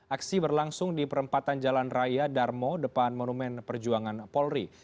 aksi berlangsung di perempatan jalan raya darmo depan monumen perjuangan polri